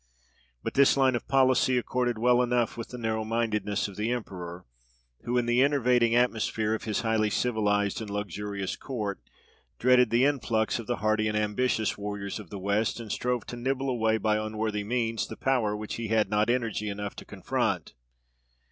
But this line of policy accorded well enough with the narrowmindedness of the emperor, who, in the enervating atmosphere of his highly civilised and luxurious court, dreaded the influx of the hardy and ambitious warriors of the West, and strove to nibble away by unworthy means the power which he had not energy enough to confront.